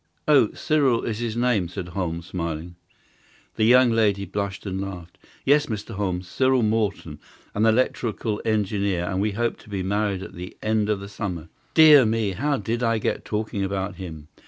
"Oh, Cyril is his name!" said Holmes, smiling. The young lady blushed and laughed. "Yes, Mr. Holmes; Cyril Morton, an electrical engineer, and we hope to be married at the end of the summer. Dear me, how DID I get talking about him?